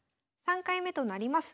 ３回目となります